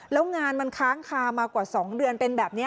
แล้วงานมันค้างคามากว่า๒เดือนเป็นแบบนี้